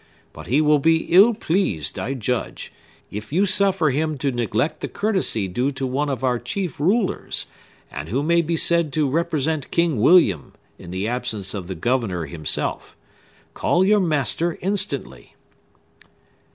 But he will be ill pleased, I judge, if you suffer him to neglect the courtesy due to one of our chief rulers, and who may be said to represent King William, in the absence of the governor himself. Call your master instantly."